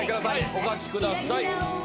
お書きください！